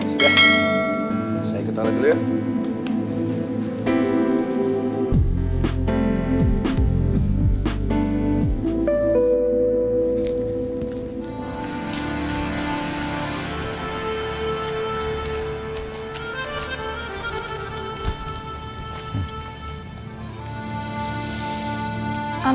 saya ikut allah dulu ya